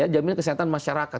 jaminan kesehatan masyarakat